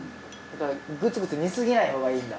グツグツ煮過ぎないほうがいいんだ。